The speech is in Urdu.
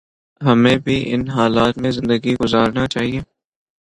ہمیں بھی ان حالات میں زندگی گزارنا چاہیے